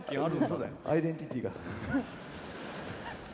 そうだよアイデンティティーが。